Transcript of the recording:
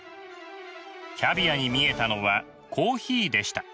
キャビアに見えたのはコーヒーでした。